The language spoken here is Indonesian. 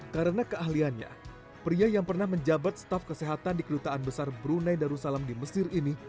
karena keahliannya pria yang pernah menjabat staf kesehatan di kelitaan besar brunei darussalam di mesir ini